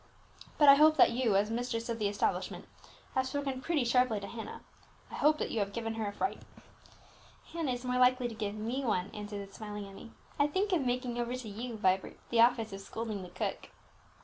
"But I hope that you, as mistress of the establishment, have spoken pretty sharply to Hannah. I hope that you have given her a fright." "Hannah is a good deal more likely to give me one," answered the smiling Emmie. "I think of making over to you, Vibert, the office of scolding the cook."